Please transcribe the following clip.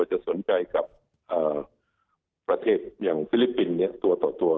จะสนใจกับประเทศอย่างฟิลิปปินส์ตัวต่อตัว